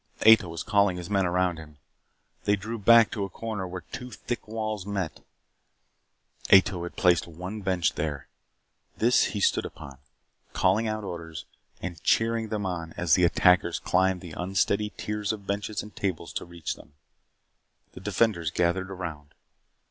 Ato was calling his men around him. They drew back to a corner where two thick walls met. Ato had placed one bench there. This he stood upon, calling out orders and cheering them on as the attackers climbed the unsteady tiers of benches and tables to reach them. The defenders gathered around.